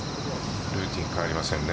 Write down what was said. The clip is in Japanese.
ルーティーン変わりませんね。